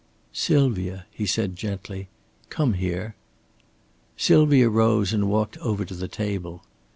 "Sylvia," he said, gently, "come here." Sylvia rose and walked over to the table.